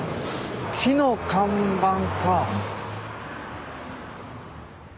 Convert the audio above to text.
木の看板か。